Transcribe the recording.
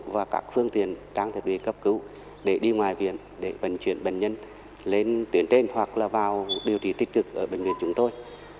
và các phương tiện trang thiết bị cấp cứu để đi ngoài viện để vận chuyển bệnh nhân lên tuyến trên hoặc là vào điều trị tích cực ở bệnh viện chúng tôi